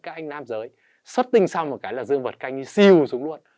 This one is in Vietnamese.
các anh nam giới xuất tinh xong một cái là dương vật canh siêu xuống luôn